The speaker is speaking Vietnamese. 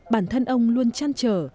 bản thân ông luôn trăn trở